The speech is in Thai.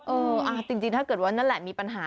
จริงถ้าเกิดว่านั่นแหละมีปัญหา